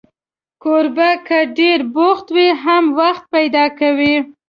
کوربه که ډېر بوخت وي، هم وخت پیدا کوي.